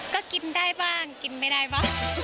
ก็กินได้บ้างกินไม่ได้บ้าง